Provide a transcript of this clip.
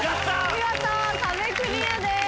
見事壁クリアです。